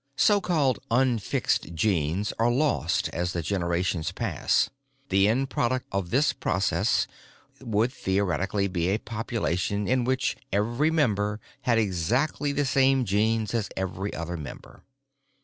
So called unfixed genes are lost as the generations pass; the end product of this process would theoretically be a population in which every member had exactly the same genes as every other member.